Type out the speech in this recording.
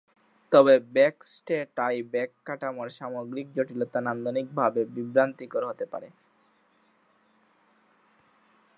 তবে, back stay tie back কাঠামোর সামগ্রিক জটিলতা নান্দনিকভাবে বিভ্রান্তিকর হতে পারে।